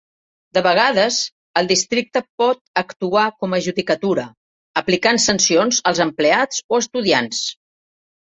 De vegades, el districte pot actuar com judicatura, aplicant sancions als empleats o estudiants.